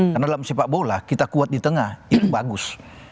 karena dalam sepak bola kita kuat di tengah itu bagus